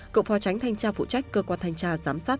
cựu phó tránh thanh tra phụ trách cơ quan thanh tra giám sát